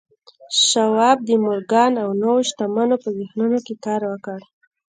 شواب د مورګان او نورو شتمنو په ذهنونو کې کار وکړ